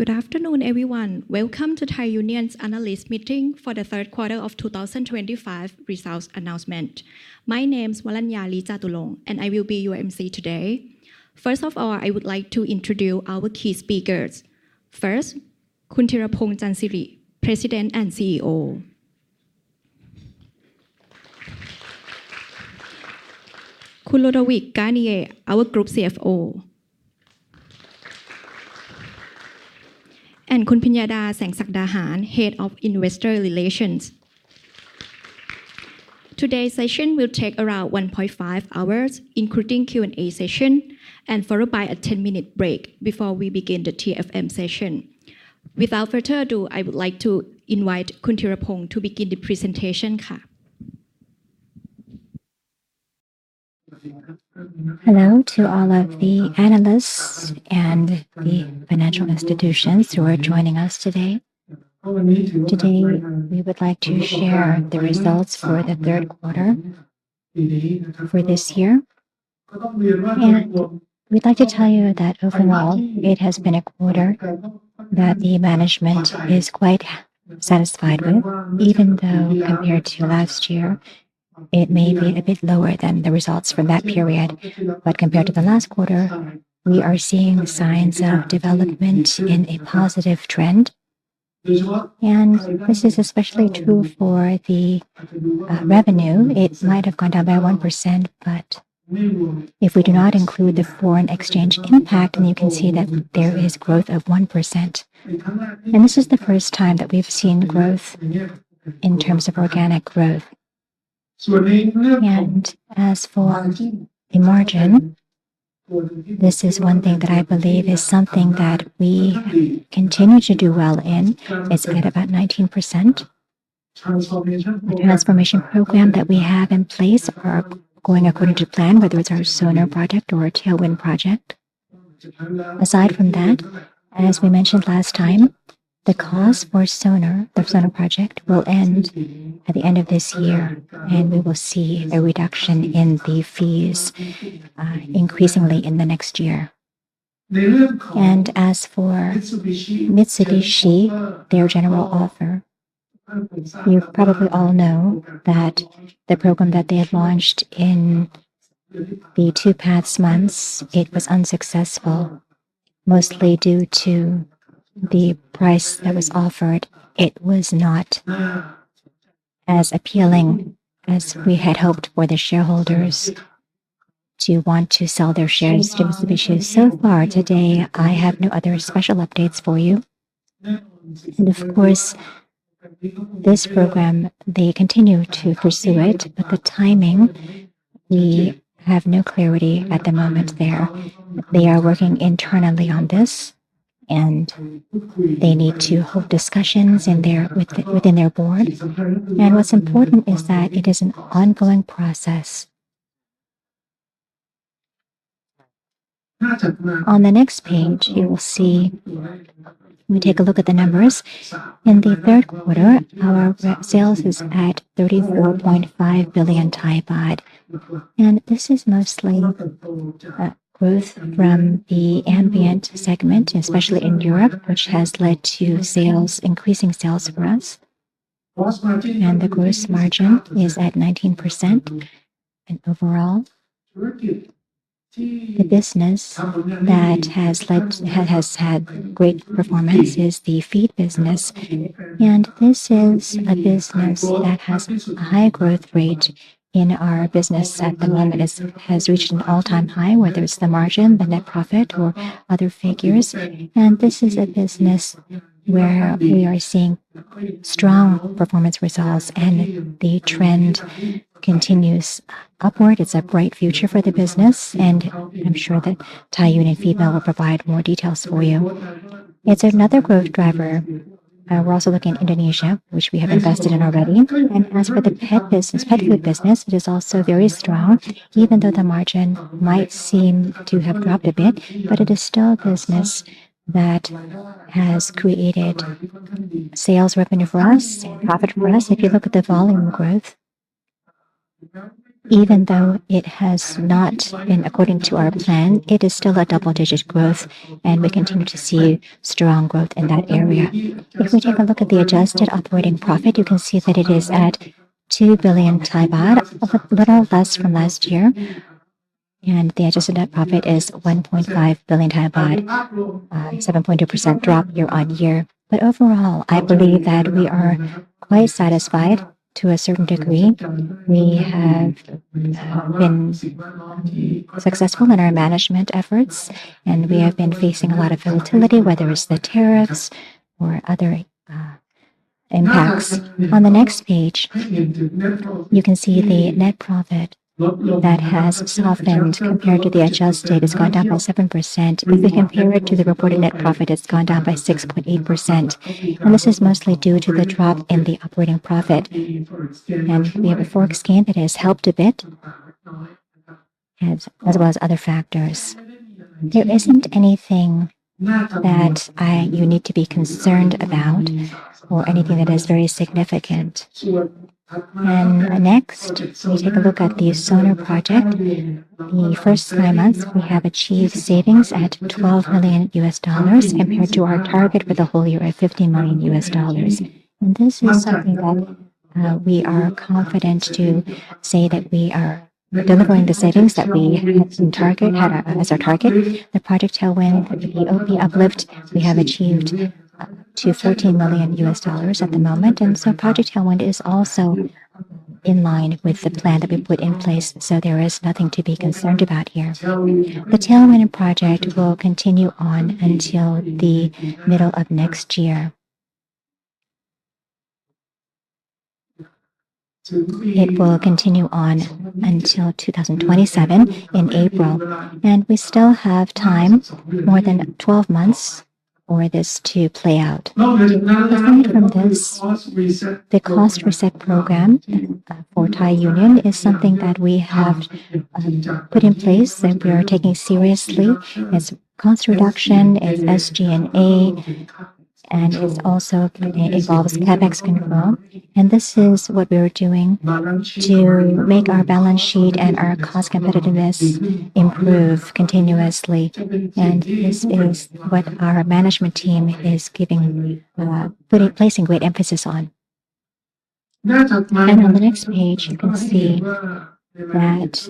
Good afternoon, everyone. Welcome to Thai Union's analyst meeting for the Q3 2025 results announcement. My name is Waranya Leejaturong, and I will be your emcee today. First of all, I would like to introduce our key speakers. First, Khun Thiraphong Chansiri, President and CEO. Khun Ludovic Garnier, our Group CFO. And Khun Pinyada Saengsakdaharn, Head of Investor Relations. Today's session will take around 1.5 hours, including Q&A session, and followed by a 10-minute break before we begin the TFM session. Without further ado, I would like to invite Khun Thiraphong to begin the presentation. Hello to all of the analysts and the financial institutions who are joining us today. Today, we would like to share the results for the Q3 for this year. We'd like to tell you that overall, it has been a quarter that the management is quite satisfied with, even though compared to last year, it may be a bit lower than the results from that period. Compared to the last quarter, we are seeing signs of development in a positive trend. This is especially true for the revenue. It might have gone down by 1%, but if we do not include the foreign exchange impact, then you can see that there is growth of 1%. This is the first time that we've seen growth in terms of organic growth. As for the margin, this is one thing that I believe is something that we continue to do well in. It's at about 19%. The transformation program that we have in place is going according to plan, whether it's our Project Sonar or Project Tailwind. Aside from that, as we mentioned last time, the cost for the Project Sonar will end at the end of this year, and we will see a reduction in the fees increasingly in the next year. And as for Mitsubishi, their general offer, you probably all know that the program that they have launched in the two past months, it was unsuccessful, mostly due to the price that was offered. It was not as appealing as we had hoped for the shareholders to want to sell their shares to Mitsubishi. So far today, I have no other special updates for you. And of course, this program, they continue to pursue it, but the timing, we have no clarity at the moment there. They are working internally on this, and they need to hold discussions within their board, and what's important is that it is an ongoing process. On the next page, you will see we take a look at the numbers. In the third quarter, our sales is at 34.5 billion baht, and this is mostly growth from the ambient segment, especially in Europe, which has led to increasing sales for us, and the gross margin is at 19%, and overall, the business that has had great performance is the feed business, and this is a business that has a high growth rate in our business at the moment. It has reached an all-time high, whether it's the margin, the net profit, or other figures, and this is a business where we are seeing strong performance results, and the trend continues upward. It's a bright future for the business, and I'm sure that the Thai Union team will provide more details for you. It's another growth driver. We're also looking at Indonesia, which we have invested in already. As for the pet business, pet food business, it is also very strong, even though the margin might seem to have dropped a bit, but it is still a business that has created sales revenue for us and profit for us. If you look at the volume growth, even though it has not been according to our plan, it is still a double-digit growth, and we continue to see strong growth in that area. If we take a look at the adjusted operating profit, you can see that it is at 2 billion baht, a little less from last year. The adjusted net profit is 1.5 billion baht, a 7.2% drop year on year. Overall, I believe that we are quite satisfied to a certain degree. We have been successful in our management efforts, and we have been facing a lot of volatility, whether it's the tariffs or other impacts. On the next page, you can see the net profit that has softened compared to the adjusted. It has gone down by 7%. If we compare it to the reported net profit, it's gone down by 6.8%. This is mostly due to the drop in the operating profit. We have a forex gain that has helped a bit, as well as other factors. There isn't anything that you need to be concerned about or anything that is very significant. Next, we take a look at Sonar project. The first three months, we have achieved savings at $12 million compared to our target for the whole year of $15 million. And this is something that we are confident to say that we are delivering the savings that we had as our target. Project Tailwind, AOP uplift, we have achieved to $15 million at the moment. And so Project Tailwind is also in line with the plan that we put in place, so there is nothing to be concerned about here. The Tailwind project will continue on until the middle of next year. It will continue on until 2027 in April, and we still have time, more than 12 months for this to play out. Aside from this, the cost reset program for Thai Union is something that we have put in place that we are taking seriously. It's cost reduction, it's SG&A, and it also involves CapEx control. And this is what we are doing to make our balance sheet and our cost competitiveness improve continuously. And this is what our management team is placing great emphasis on. And on the next page, you can see that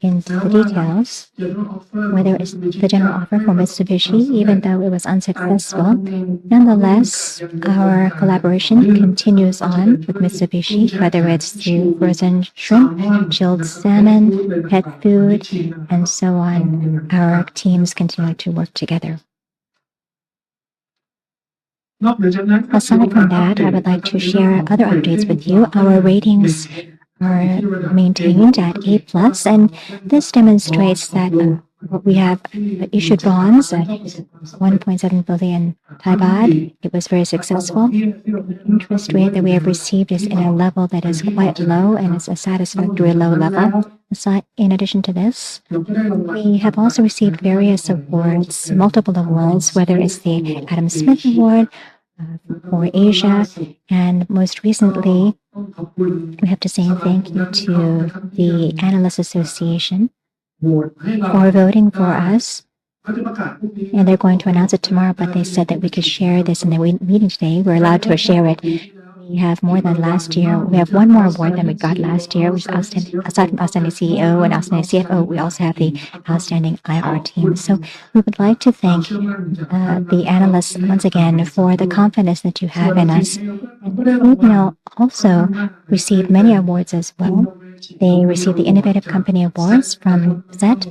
in the details, whether it's the general offer for Mitsubishi, even though it was unsuccessful, nonetheless, our collaboration continues on with Mitsubishi, whether it's through frozen shrimp, chilled salmon, pet food, and so on. Our teams continue to work together. Aside from that, I would like to share other updates with you. Our ratings are maintained at A+, and this demonstrates that we have issued bonds, 1.7 billion baht. It was very successful. The interest rate that we have received is in a level that is quite low and is a satisfactory low level. In addition to this, we have also received various awards, multiple awards, whether it's the Adam Smith Award for Asia, and most recently, we have to say thank you to the Analyst Association for voting for us. They're going to announce it tomorrow, but they said that we could share this in the meeting today. We're allowed to share it. We have more than last year. We have one more award than we got last year, which is outstanding. Aside from outstanding CEO and outstanding CFO, we also have the outstanding IR team. So we would like to thank the analysts once again for the confidence that you have in us, and CEO also received many awards as well. They received the Innovative Company Awards from SET,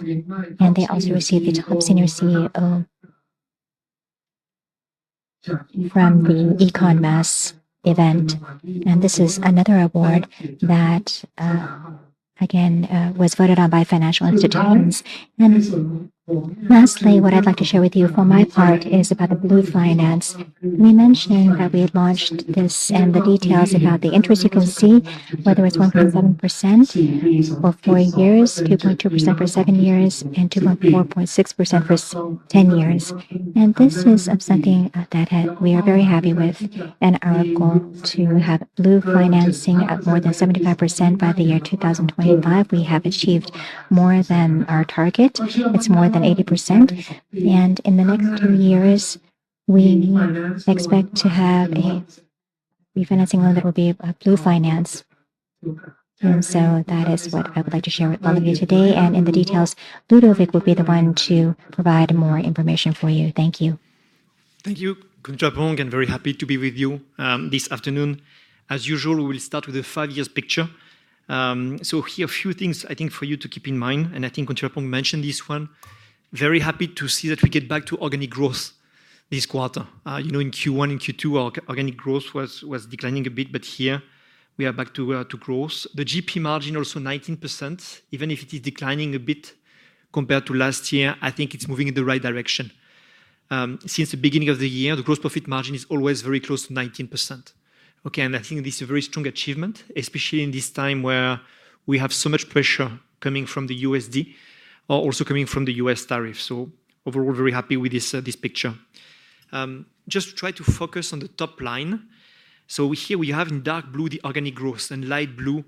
and they also received the Top Senior CEO from the EconMass event. This is another award that, again, was voted on by financial institutions. And lastly, what I'd like to share with you from my part is about the Blue Finance. We mentioned that we launched this. And the details about the interest, you can see whether it's 1.7% for four years, 2.2% for seven years, and 2.46% for ten years. And this is something that we are very happy with. And our goal to have Blue Financing at more than 75% by the year 2025, we have achieved more than our target. It's more than 80%. And in the next two years, we expect to have a refinancing loan that will be Blue Finance. And so that is what I would like to share with all of you today. And in the details, Ludovic will be the one to provide more information for you. Thank you. Thank you, Khun Thiraphong, and very happy to be with you this afternoon. As usual, we will start with the five-year picture. So here, a few things I think for you to keep in mind, and I think Khun Thiraphong mentioned this one. Very happy to see that we get back to organic growth this quarter. You know, in Q1 and Q2, our organic growth was declining a bit, but here we are back to growth. The GP margin also 19%, even if it is declining a bit compared to last year. I think it's moving in the right direction. Since the beginning of the year, the gross profit margin is always very close to 19%. Okay, and I think this is a very strong achievement, especially in this time where we have so much pressure coming from the USD, also coming from the U.S. tariff. So overall, very happy with this picture. Just try to focus on the top line. So here we have in dark blue the organic growth and light blue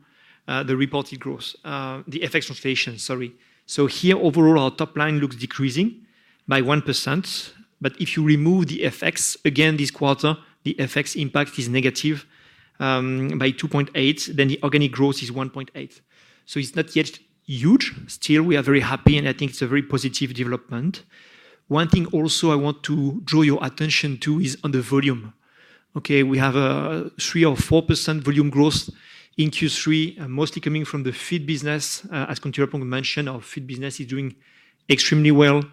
the reported growth, the FX translation, sorry. So here overall, our top line looks decreasing by 1%. But if you remove the FX, again, this quarter, the FX impact is negative by 2.8%, then the organic growth is 1.8%. So it's not yet huge. Still, we are very happy, and I think it's a very positive development. One thing also I want to draw your attention to is on the volume. Okay, we have a 3% or 4% volume growth in Q3, mostly coming from the feed business. As Khun Thiraphong mentioned, our feed business is doing extremely well.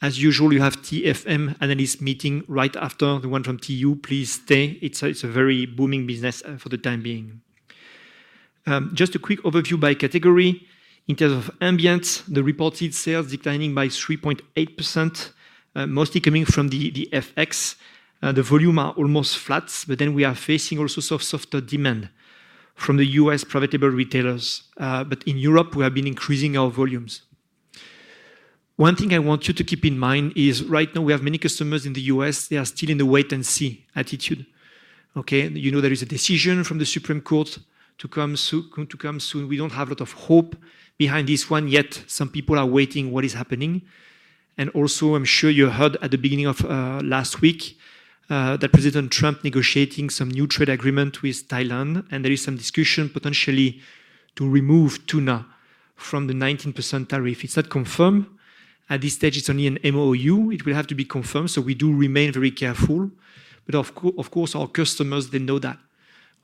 As usual, you have TFM analyst meeting right after the one from TU. Please stay. It's a very booming business for the time being. Just a quick overview by category. In terms of ambient, the reported sales declining by 3.8%, mostly coming from the FX. The volume are almost flat, but then we are facing also soft demand from the U.S. private label retailers. But in Europe, we have been increasing our volumes. One thing I want you to keep in mind is right now we have many customers in the U.S. They are still in the wait-and-see attitude. Okay, you know there is a decision from the Supreme Court to come soon. We don't have a lot of hope behind this one yet. Some people are waiting what is happening. Also, I'm sure you heard at the beginning of last week that President Trump is negotiating some new trade agreement with Thailand, and there is some discussion potentially to remove tuna from the 19% tariff. It's not confirmed. At this stage, it's only an MoU. It will have to be confirmed. So we do remain very careful. But of course, our customers, they know that.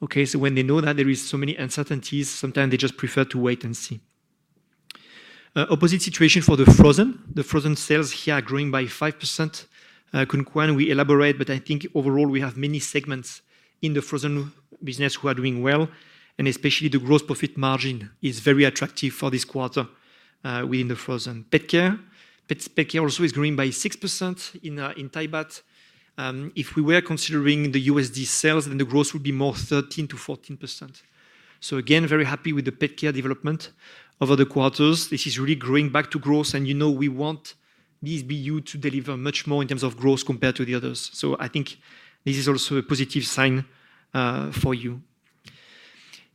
Okay, so when they know that, there are so many uncertainties. Sometimes they just prefer to wait and see. Opposite situation for the frozen. The frozen sales here are growing by 5%. Khun Kwan, we elaborate, but I think overall we have many segments in the frozen business who are doing well. And especially the gross profit margin is very attractive for this quarter within the frozen. Pet care also is growing by 6% in Thai Baht. If we were considering the USD sales, then the growth would be more 13% to 14%. So again, very happy with the pet care development over the quarters. This is really growing back to growth. And you know we want these BU to deliver much more in terms of growth compared to the others. So I think this is also a positive sign for you.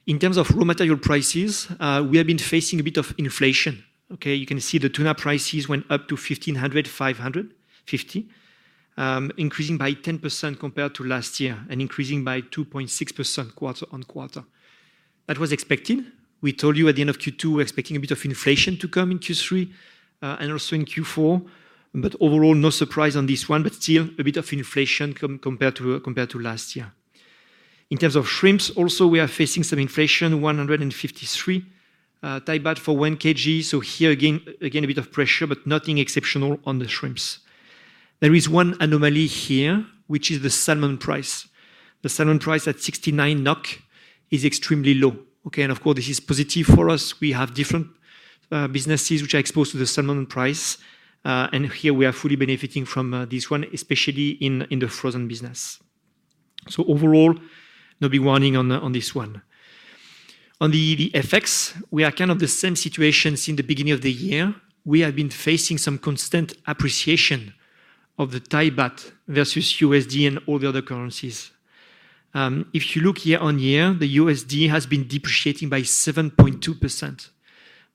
In terms of raw material prices, we have been facing a bit of inflation. Okay, you can see the tuna prices went up to 1,500, 550, increasing by 10% compared to last year and increasing by 2.6% quarter on quarter. That was expected. We told you at the end of Q2 we're expecting a bit of inflation to come in Q3 and also in Q4. But overall, no surprise on this one, but still a bit of inflation compared to last year. In terms of shrimps, also we are facing some inflation, 153 baht for one kg. So here again, a bit of pressure, but nothing exceptional on the shrimps. There is one anomaly here, which is the salmon price. The salmon price at 69 NOK is extremely low. Okay, and of course, this is positive for us. We have different businesses which are exposed to the salmon price. And here we are fully benefiting from this one, especially in the frozen business. So overall, no big warning on this one. On the FX, we are kind of the same situation since the beginning of the year. We have been facing some constant appreciation of the Thai Baht versus USD and all the other currencies. If you look year on year, the USD has been depreciating by 7.2%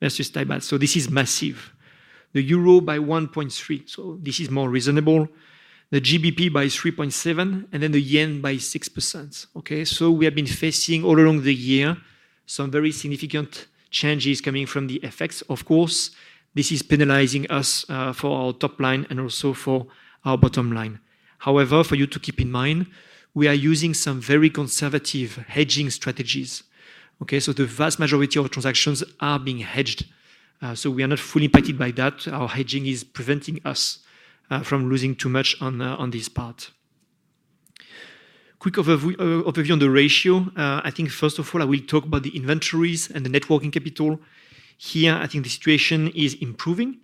versus THB. So this is massive. The EUR by 1.3%. So this is more reasonable. The GBP by 3.7% and then the Yen by 6%. Okay, so we have been facing all along the year some very significant changes coming from the FX. Of course, this is penalizing us for our top line and also for our bottom line. However, for you to keep in mind, we are using some very conservative hedging strategies. Okay, so the vast majority of transactions are being hedged. So we are not fully impacted by that. Our hedging is preventing us from losing too much on this part. Quick overview on the ratio. I think first of all, I will talk about the inventories and the net working capital. Here, I think the situation is improving.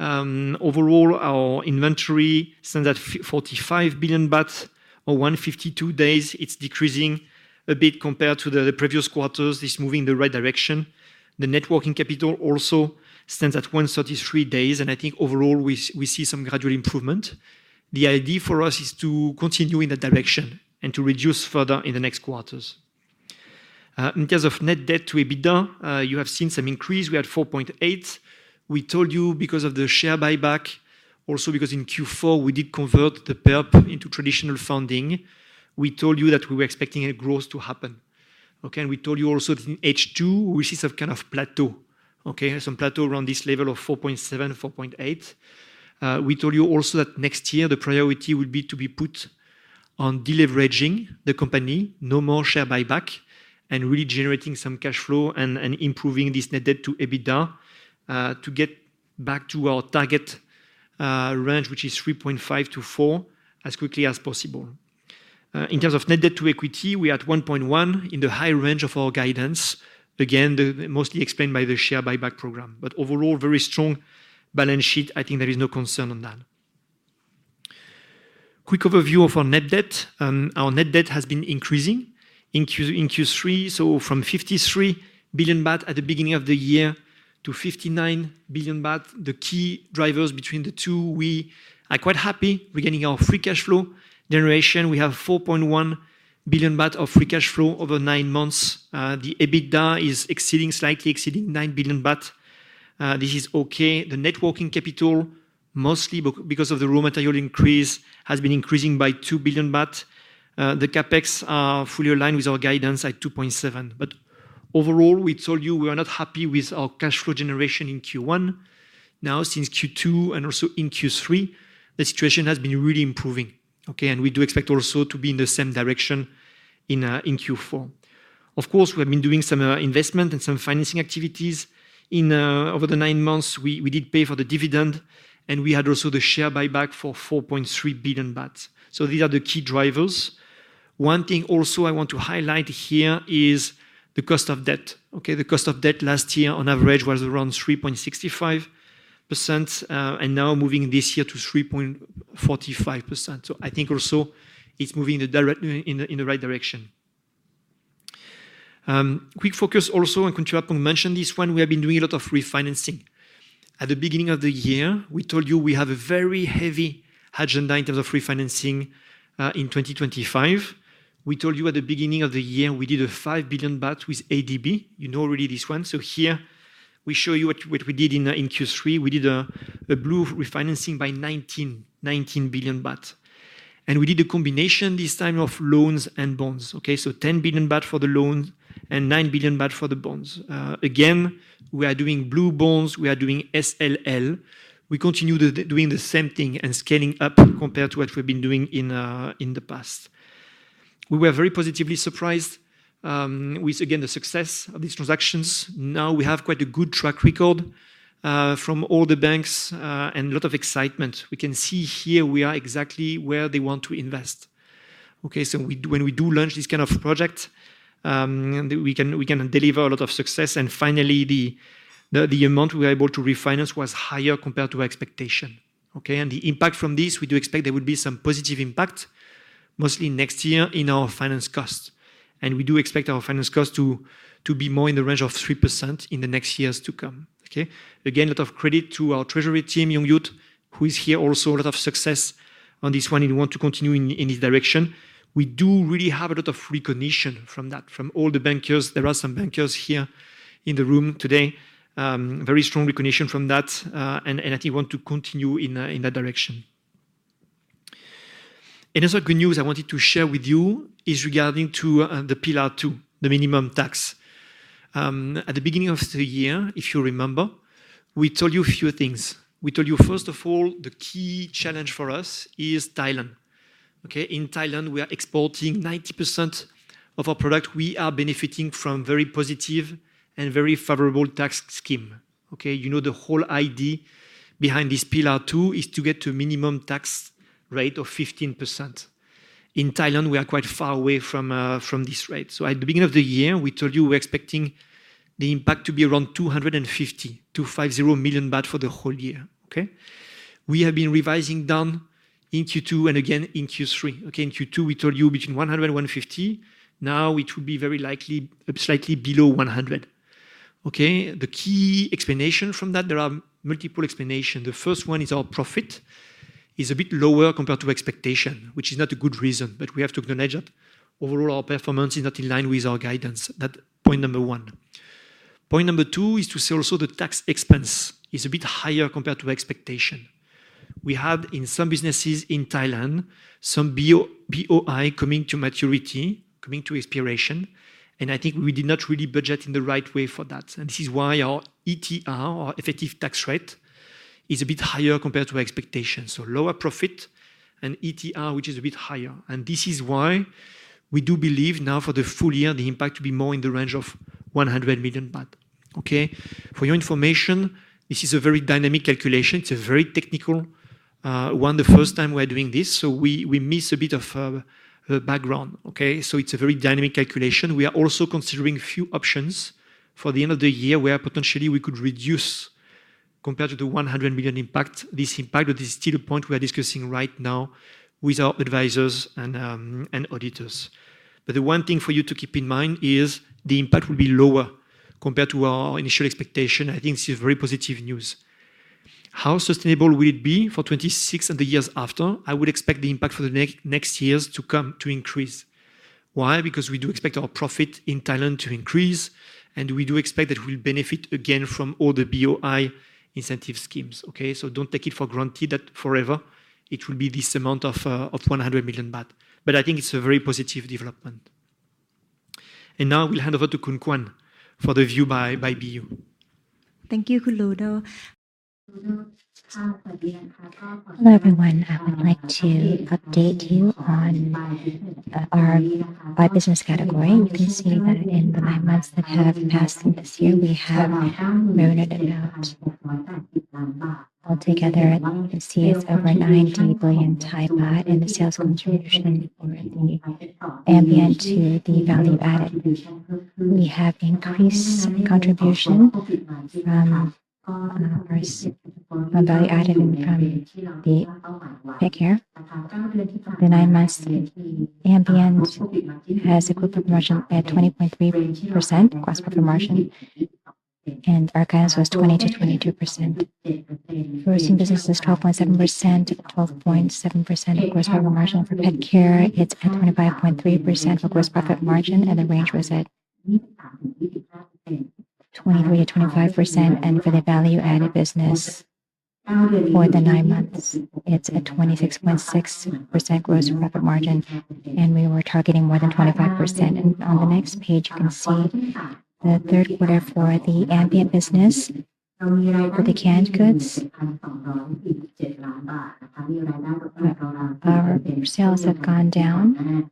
Overall, our inventory stands at 45 billion baht or 152 days. It's decreasing a bit compared to the previous quarters. It's moving in the right direction. The net working capital also stands at 133 days. I think overall, we see some gradual improvement. The idea for us is to continue in that direction and to reduce further in the next quarters. In terms of net debt to EBITDA, you have seen some increase. We had 4.8. We told you because of the share buyback, also because in Q4 we did convert the Perp into traditional funding. We told you that we were expecting a growth to happen. Okay, and we told you also in H2, we see some kind of plateau. Okay, some plateau around this level of 4.7, 4.8. We told you also that next year the priority would be to be put on deleveraging the company, no more share buyback, and really generating some cash flow and improving this net debt to EBITDA to get back to our target range, which is 3.5 to four as quickly as possible. In terms of net debt to equity, we are at 1.1 in the high range of our guidance. Again, mostly explained by the share buyback program. But overall, very strong balance sheet. I think there is no concern on that. Quick overview of our net debt. Our net debt has been increasing in Q3. So from 53 billion baht at the beginning of the year to 59 billion baht. The key drivers between the two, we are quite happy regarding our free cash flow generation. We have 4.1 billion baht of free cash flow over nine months. The EBITDA is exceeding, slightly exceeding 9 billion baht. This is okay. The working capital, mostly because of the raw material increase, has been increasing by 2 billion baht. The CapEx are fully aligned with our guidance at 2.7. But overall, we told you we are not happy with our cash flow generation in Q1. Now, since Q2 and also in Q3, the situation has been really improving. Okay, and we do expect also to be in the same direction in Q4. Of course, we have been doing some investment and some financing activities. Over the nine months, we did pay for the dividend, and we had also the share buyback for 4.3 billion baht. So these are the key drivers. One thing also I want to highlight here is the cost of debt. Okay, the cost of debt last year on average was around 3.65%, and now moving this year to 3.45%. So I think also it's moving in the right direction. Quick focus also on Khun Thiraphong mentioned this one. We have been doing a lot of refinancing. At the beginning of the year, we told you we have a very heavy agenda in terms of refinancing in 2025. We told you at the beginning of the year we did 5 billion baht with ADB. You know already this one. So here we show you what we did in Q3. We did a blue refinancing by 19 billion baht. And we did a combination this time of loans and bonds. Okay, so 10 billion baht for the loans and 9 billion baht for the bonds. Again, we are doing blue bonds. We are doing SLL. We continue doing the same thing and scaling up compared to what we've been doing in the past. We were very positively surprised with, again, the success of these transactions. Now we have quite a good track record from all the banks and a lot of excitement. We can see here, we are exactly where they want to invest. Okay, so when we do launch this kind of project, we can deliver a lot of success. And finally, the amount we were able to refinance was higher compared to expectation. Okay, and the impact from this, we do expect there would be some positive impact, mostly next year in our finance cost. And we do expect our finance cost to be more in the range of 3% in the next years to come. Okay, again, a lot of credit to our treasury team, Yongyut, who is here also, a lot of success on this one. He wants to continue in this direction. We do really have a lot of recognition from that, from all the bankers. There are some bankers here in the room today. Very strong recognition from that, and I think we want to continue in that direction. Another good news I wanted to share with you is regarding to the Pillar Two, the minimum tax. At the beginning of the year, if you remember, we told you a few things. We told you, first of all, the key challenge for us is Thailand. Okay, in Thailand, we are exporting 90% of our product. We are benefiting from a very positive and very favorable tax scheme. Okay, you know the whole idea behind this Pillar Two is to get to a minimum tax rate of 15%. In Thailand, we are quite far away from this rate. So at the beginning of the year, we told you we're expecting the impact to be around 250 million baht THB 250 million for the whole year. Okay, we have been revising down in Q2 and again in Q3. Okay, in Q2, we told you between 100 million and 150 million. Now it would be very likely slightly below 100 million. Okay, the key explanation from that, there are multiple explanations. The first one is our profit is a bit lower compared to expectation, which is not a good reason, but we have to acknowledge that overall our performance is not in line with our guidance. That's point number one. Point number two is to say also the tax expense is a bit higher compared to expectation. We had in some businesses in Thailand, some BOI coming to maturity, coming to expiration, and I think we did not really budget in the right way for that, and this is why our ETR, our effective tax rate, is a bit higher compared to expectation, so lower profit and ETR, which is a bit higher, and this is why we do believe now for the full year, the impact to be more in the range of 100 million baht. Okay, for your information, this is a very dynamic calculation. It's a very technical one. The first time we are doing this, so we miss a bit of background. Okay, so it's a very dynamic calculation. We are also considering a few options for the end of the year where potentially we could reduce compared to the 100 million impact. This impact, but this is still a point we are discussing right now with our advisors and auditors. But the one thing for you to keep in mind is the impact will be lower compared to our initial expectation. I think this is very positive news. How sustainable will it be for 2026 and the years after? I would expect the impact for the next years to come to increase. Why? Because we do expect our profit in Thailand to increase, and we do expect that we'll benefit again from all the BOI incentive schemes. Okay, so don't take it for granted that forever it will be this amount of 100 million baht. But I think it's a very positive development. Now we'll hand over to Khun Kwan for the view by BU. Thank you, Khun Ludo. Hello, everyone. I would like to update you on our business category. You can see that in the nine months that have passed in this year, we have added it all together and it's over 90 billion baht in the sales contribution for the ambient to the value added. We have increased contribution from our value added and from the pet care. The nine months ambient has a gross margin at 20.3% gross profit margin, and our guidance was 20% to 22%. Frozen business is 12.7%, 12.7% gross profit margin. For pet care, it's at 25.3% for gross profit margin, and the range was at 23%-25%. For the value added business for the nine months, it's at 26.6% gross profit margin, and we were targeting more than 25%. On the next page, you can see the third quarter for the ambient business for the canned goods. Our sales have gone down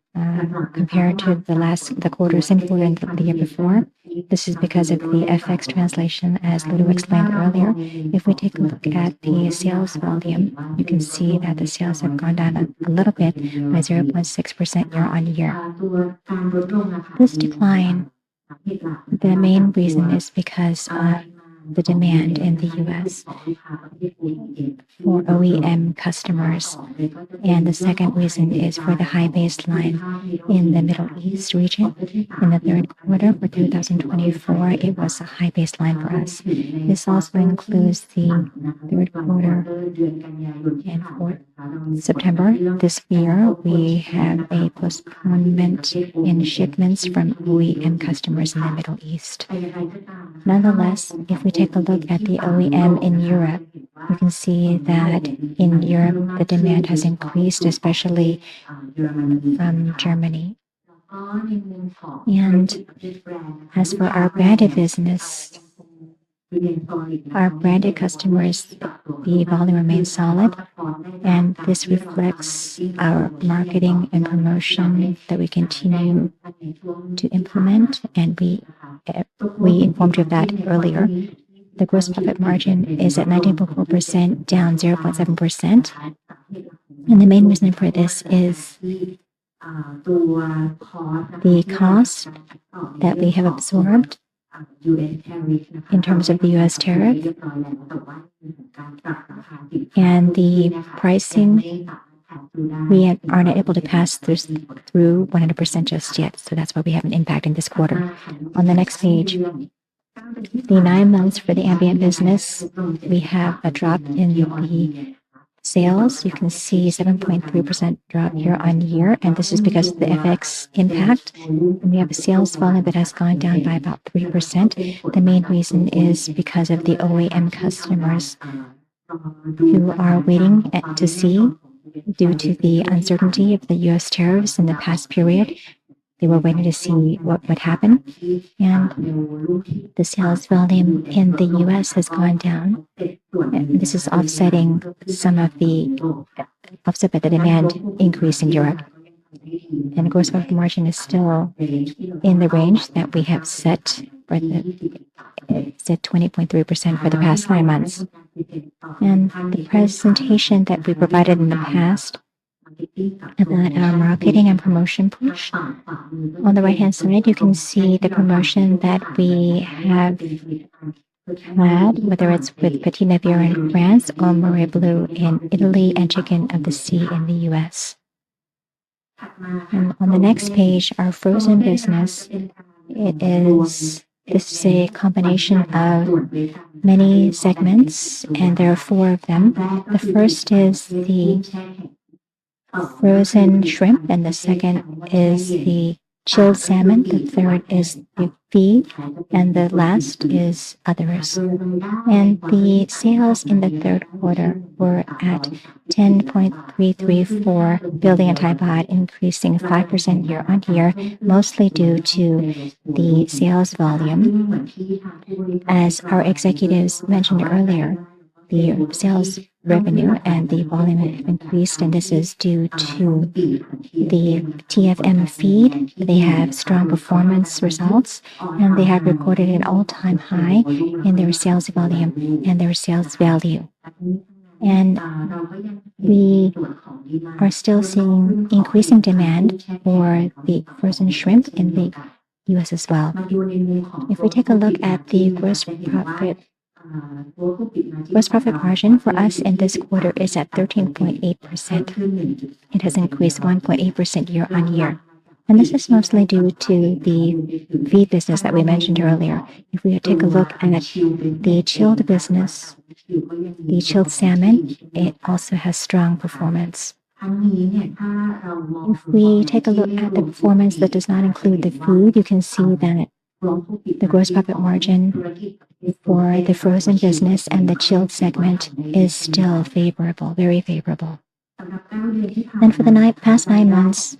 compared to the last quarter since we were in the year before. This is because of the FX translation, as Lulu explained earlier. If we take a look at the sales volume, you can see that the sales have gone down a little bit by 0.6% year on year. This decline, the main reason is because of the demand in the U.S. for OEM customers. And the second reason is for the high baseline in the Middle East region. In the third quarter for 2024, it was a high baseline for us. This also includes the third quarter and fourth. September this year, we have a postponement in shipments from OEM customers in the Middle East. Nonetheless, if we take a look at the OEM in Europe, you can see that in Europe, the demand has increased, especially from Germany, and as for our branded business, our branded customers, the volume remains solid, and this reflects our marketing and promotion that we continue to implement, and we informed you of that earlier. The gross profit margin is at 19.4%, down 0.7%, and the main reason for this is the cost that we have absorbed in terms of the U.S. tariff, and the pricing, we aren't able to pass through 100% just yet, so that's why we have an impact in this quarter. On the next page, the nine months for the ambient business, we have a drop in the sales. You can see a 7.3% drop year on year. This is because of the FX impact. We have a sales volume that has gone down by about 3%. The main reason is because of the OEM customers who are waiting to see due to the uncertainty of the U.S. tariffs in the past period. They were waiting to see what would happen. The sales volume in the U.S. has gone down. This is offsetting some of the offset by the demand increase in Europe. The gross profit margin is still in the range that we have set for the 20.3% for the past nine months. The presentation that we provided in the past, our marketing and promotion push. On the right-hand side, you can see the promotion that we have had, whether it's with Petit Navire in France or Mareblu in Italy and Chicken of the Sea in the U.S. On the next page, our frozen business, it is a combination of many segments, and there are four of them. The first is the frozen shrimp, and the second is the chilled salmon. The third is the feed, and the last is others. And the sales in the third quarter were at 10.334 billion, increasing 5% year on year, mostly due to the sales volume. As our executives mentioned earlier, the sales revenue and the volume have increased, and this is due to the TFM feed. They have strong performance results, and they have recorded an all-time high in their sales volume and their sales value. And we are still seeing increasing demand for the frozen shrimp in the U.S. as well. If we take a look at the gross profit margin for us in this quarter, it is at 13.8%. It has increased 1.8% year on year. This is mostly due to the feed business that we mentioned earlier. If we take a look at the chilled business, the chilled salmon, it also has strong performance. If we take a look at the performance that does not include the feed, you can see that the gross profit margin for the frozen business and the chilled segment is still favorable, very favorable. For the past nine months,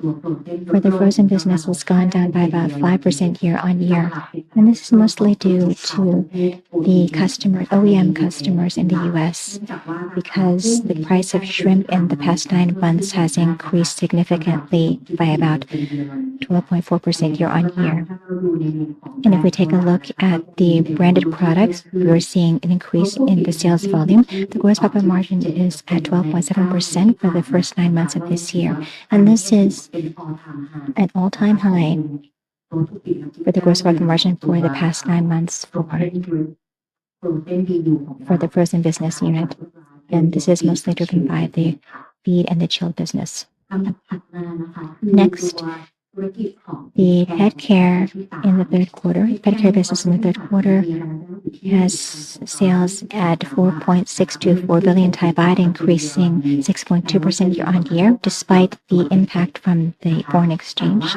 for the frozen business, it has gone down by about 5% year on year. This is mostly due to the OEM customers in the U.S. because the price of shrimp in the past nine months has increased significantly by about 12.4% year on year. If we take a look at the branded products, we're seeing an increase in the sales volume. The gross profit margin is at 12.7% for the first nine months of this year. This is an all-time high for the gross profit margin for the past nine months for the frozen business unit. This is mostly driven by the feed and the chilled business. Next, the pet care in the third quarter, pet care business in the third quarter has sales at 4.624 billion baht, increasing 6.2% year on year despite the impact from the foreign exchange.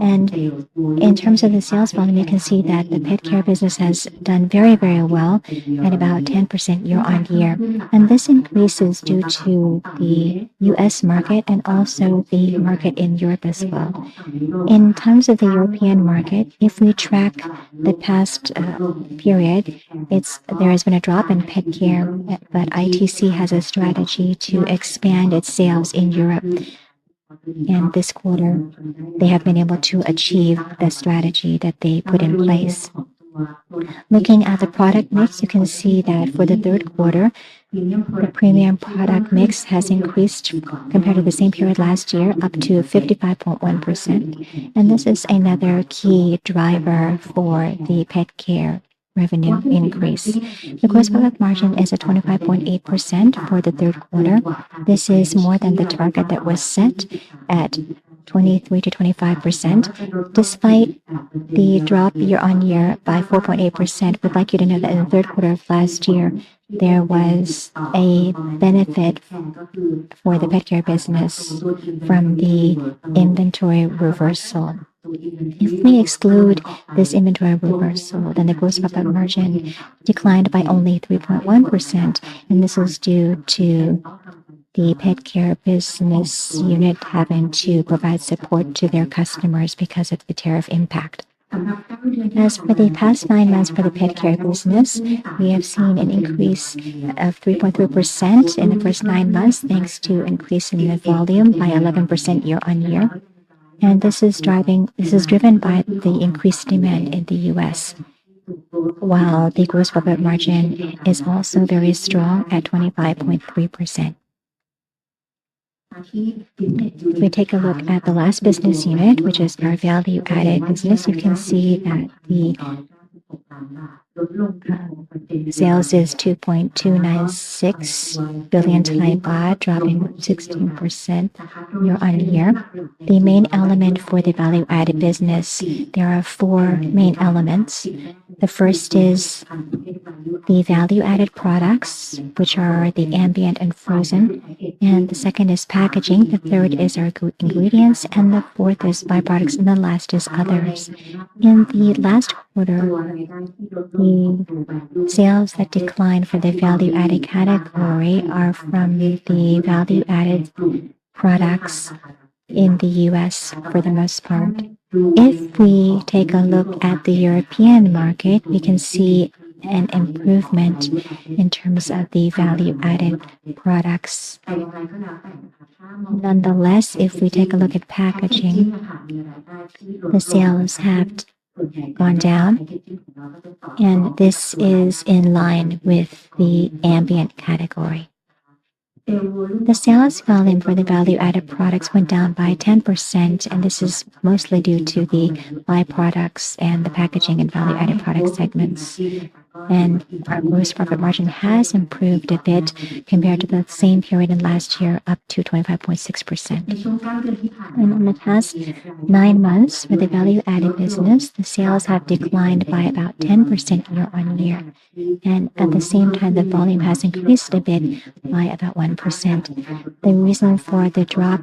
In terms of the sales volume, you can see that the pet care business has done very, very well at about 10% year on year. This increases due to the U.S. market and also the market in Europe as well. In terms of the European market, if we track the past period, there has been a drop in pet care, but ITC has a strategy to expand its sales in Europe. And this quarter, they have been able to achieve the strategy that they put in place. Looking at the product mix, you can see that for the third quarter, the premium product mix has increased compared to the same period last year up to 55.1%. And this is another key driver for the pet care revenue increase. The gross product margin is at 25.8% for the third quarter. This is more than the target that was set at 23% to 25%. Despite the drop year on year by 4.8%, we'd like you to know that in the third quarter of last year, there was a benefit for the pet care business from the inventory reversal. If we exclude this inventory reversal, then the gross profit margin declined by only 3.1%, and this is due to the pet care business unit having to provide support to their customers because of the tariff impact. As for the past nine months for the pet care business, we have seen an increase of 3.3% in the first nine months thanks to increasing the volume by 11% year on year, and this is driven by the increased demand in the U.S., while the gross profit margin is also very strong at 25.3%. If we take a look at the last business unit, which is our value added business, you can see that the sales is 2.296 billion, dropping 16% year on year. The main element for the value added business, there are four main elements. The first is the value added products, which are the ambient and frozen. The second is packaging. The third is our ingredients. The fourth is byproducts. The last is others. In the last quarter, the sales that declined for the value added category are from the value added products in the U.S. for the most part. If we take a look at the European market, we can see an improvement in terms of the value added products. Nonetheless, if we take a look at packaging, the sales have gone down. This is in line with the ambient category. The sales volume for the value added products went down by 10%. This is mostly due to the byproducts and the packaging and value added product segments. Our gross profit margin has improved a bit compared to the same period in last year, up to 25.6%. In the past nine months for the value added business, the sales have declined by about 10% year on year. At the same time, the volume has increased a bit by about 1%. The reason for the drop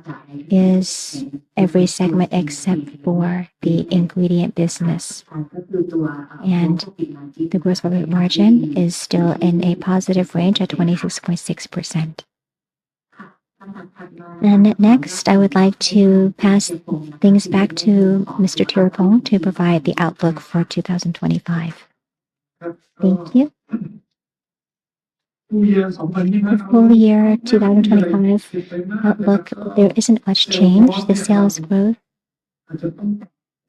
is every segment except for the ingredient business. The gross profit margin is still in a positive range at 26.6%. Next, I would like to pass things back to Mr. Thiraphong to provide the outlook for 2025. Thank you. For the year 2025 outlook, there isn't much change. The sales growth,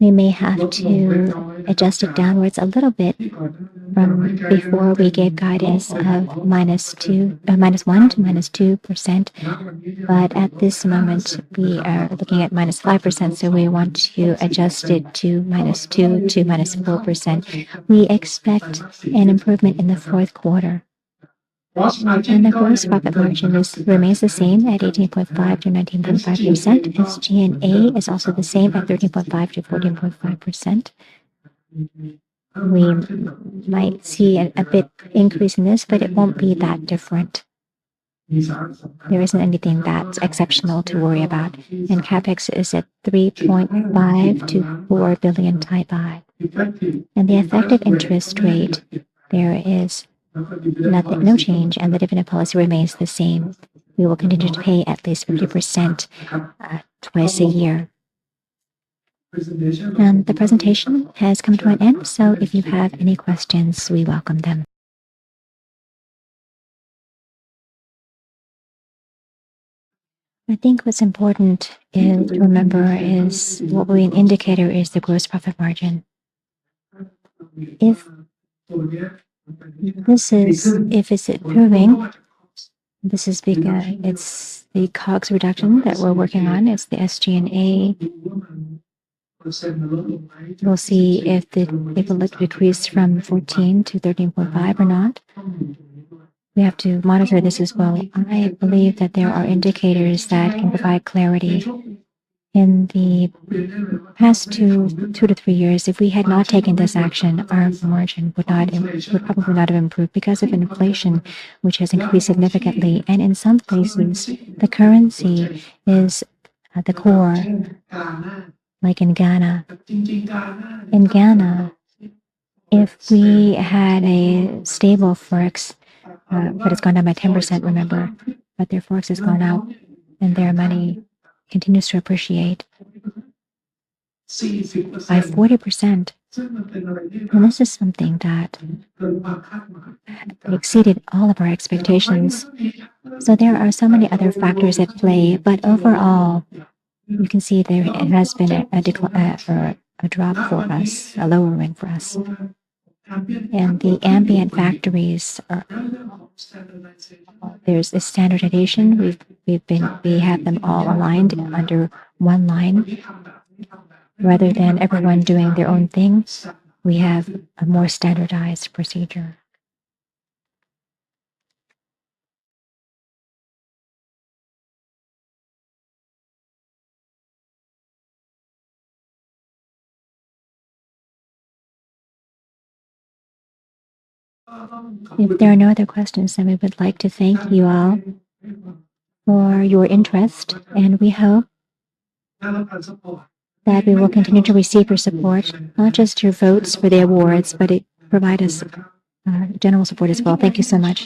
we may have to adjust it downwards a little bit from before we gave guidance of -1% to -2%. But at this moment, we are looking at -5%. So we want to adjust it to -2% to -4%. We expect an improvement in the fourth quarter. The gross profit margin remains the same at 18.5% to 19.5%. SG&A is also the same at 13.5% to 14.5%. We might see a bit increase in this, but it won't be that different. There isn't anything that's exceptional to worry about. CapEx is at 3.5 billion to 4 billion baht. The effective interest rate, there is no change. The dividend policy remains the same. We will continue to pay at least 50% twice a year. The presentation has come to an end. If you have any questions, we welcome them. I think what's important to remember is what the indicator is the gross profit margin. If this is improving, this is because it's the COGS reduction that we're working on. It's the SG&A. We'll see if the level decreased from 14 to 13.5 or not. We have to monitor this as well. I believe that there are indicators that can provide clarity. In the past two to three years, if we had not taken this action, our margin would probably not have improved because of inflation, which has increased significantly. And in some places, the currency is at the core, like in Ghana. In Ghana, if we had a stable forex, but it's gone down by 10%, remember, but their forex has gone up and their money continues to appreciate by 40%. And this is something that exceeded all of our expectations. So there are so many other factors at play. But overall, you can see there has been a drop for us, a lowering for us. And the Ambient factories, there's a standardization. We have them all aligned under one line. Rather than everyone doing their own thing, we have a more standardized procedure. If there are no other questions, then we would like to thank you all for your interest. And we hope that we will continue to receive your support, not just your votes for the awards, but provide us general support as well. Thank you so much.